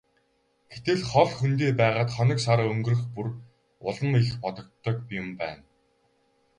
Гэтэл хол хөндий байгаад хоног сар өнгөрөх бүр улам их бодогддог юм байна.